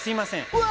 うわ！